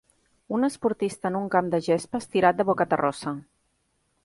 Un esportista en un camp de gespa estirat de bocaterrosa.